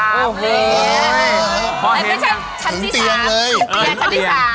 โอ้โห้พอเห็นอย่างถึงเบือนเลย